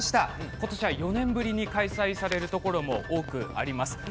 今年は４年ぶりに開催されるところも多くあります。